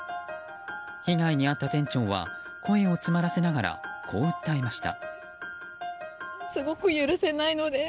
被害に遭った店長は声を詰まらせながらこう訴えました。